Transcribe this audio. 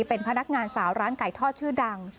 เป็นพนักงานสาวร้านไก่ทอดชื่อดัง